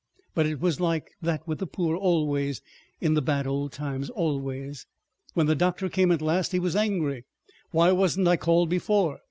. But it was like that with the poor always in the bad old times—always. When the doctor came at last he was angry. 'Why wasn't I called before?